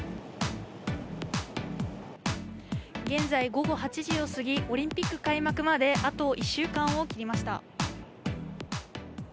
現在午後８時を過ぎオリンピック開幕まであと１週間を切りました。